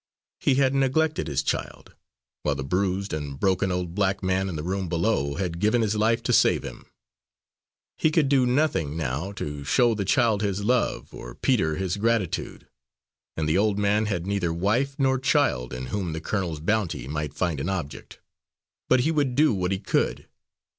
He had neglected his child, while the bruised and broken old black man in the room below had given his life to save him. He could do nothing now to show the child his love or Peter his gratitude, and the old man had neither wife nor child in whom the colonel's bounty might find an object. But he would do what he could.